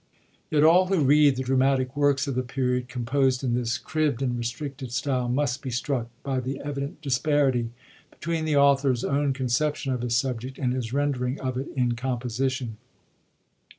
yet all who read the dramatic' works of the period composed in this cribd and restricted style must be struck by the evident disparity between the author's own conception of his subject and his rendering of it in composition.